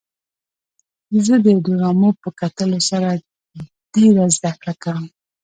زه د ډرامو په کتلو سره ډېره زدهکړه کوم.